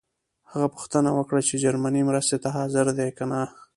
هغه پوښتنه وکړه چې جرمني مرستې ته حاضر دی کنه.